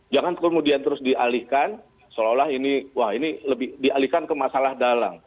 jangan kemudian terus dialihkan seolah olah ini wah ini lebih dialihkan ke masalah dalang